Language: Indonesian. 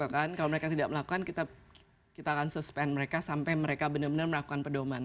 kalau mereka tidak melakukan kita akan suspend mereka sampai mereka benar benar melakukan pedoman